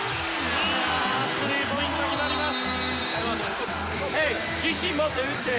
スリーポイント決まります。